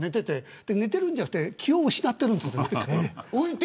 寝てるんじゃなくて気を失ってるんです。